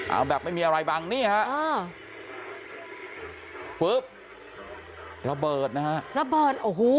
เอาแบบไม่มีอะไรบังนี่ฮะอ่าปุ๊บระเบิดนะฮะระเบิดโอ้โห